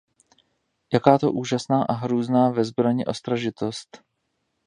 Jaká to úžasná a hrůzná ve zbrani ostražitosť!